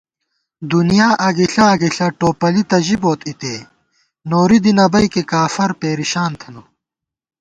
دُنیا اگِݪہ اگِݪہ ٹوپَلی تہ ژِبوت اِتے، نوری دی نَبَئیکےکافر پریشان تھنہ